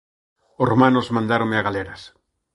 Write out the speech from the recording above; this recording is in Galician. Os romanos mandáronme a galeras